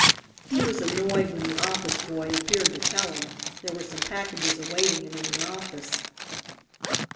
He was annoyed when the office boy appeared to tell him, there were some packages awaiting him in the office.